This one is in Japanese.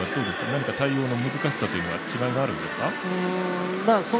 何か対応の難しさというのは違いがあるんですか？